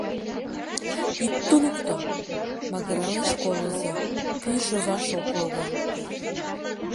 — Ит туныкто! — магыралеш колызо, пӱйжӧ ваш ок логал.